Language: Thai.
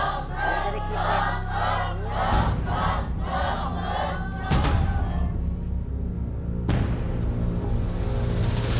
นี่จะได้คิดไหม